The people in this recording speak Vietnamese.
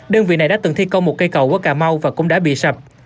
đơn vị này đã từng thi công một cây cầu ở cà mau và cũng đã bị sập